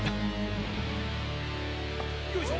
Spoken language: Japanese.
よいしょ！